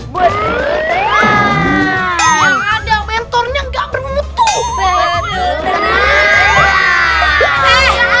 berhenti ada mentornya nggak berhenti